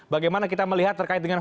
bagaimana kita melihat terkait dengan